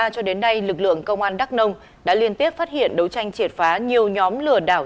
cho đến nay lực lượng công an đắk nông đã liên tiếp phát hiện đấu tranh triệt phá nhiều nhóm lừa đảo